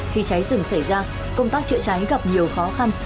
khi cháy rừng xảy ra công tác chữa cháy gặp nhiều khó khăn